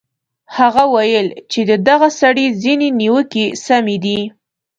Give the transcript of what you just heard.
هغه ویل چې د دغه سړي ځینې نیوکې سمې دي.